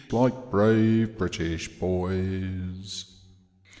Like brave British boys.